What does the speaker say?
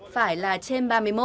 phải là trên ba mươi một